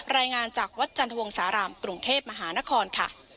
รายงานจากวัดจันทวงสารามกรุงเทพมหานครค่ะ